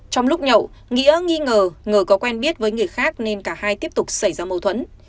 trong lúc nhậu nghĩa nghi ngờ ngờ có quen biết với người khác nên cả hai tiếp tục xảy ra mâu thuẫn